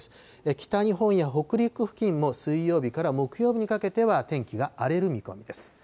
北日本や北陸付近も水曜日から木曜日にかけては天気が荒れる見込みです。